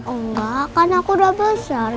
enggak karena aku udah besar